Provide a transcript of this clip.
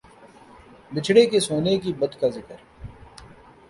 بچھڑے کے سونے کے بت کا ذکر